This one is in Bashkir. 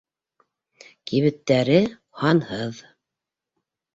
Кибеттәре һанһыҙ.